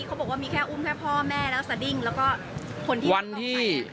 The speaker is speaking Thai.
เขาบอกว่ามีแค่อุ้มแค่พ่อแม่แล้วสดิ้งแล้วก็คนที่